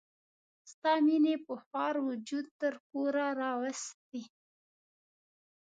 ستا مینې په خوار وجود تر کوره راوستي.